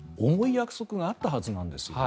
約束があったはずなんですよね。